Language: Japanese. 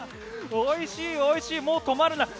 おいしい、おいしいもう止まらない！